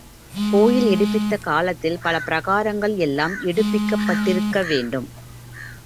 கோயில் எடுப்பித்த காலத்தில் பல பிராகாரங்கள் எல்லாம் எடுப்பிக்கப்பட்டிருக்க வேண்டும்.